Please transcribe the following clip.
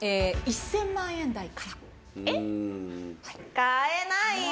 買えないよ。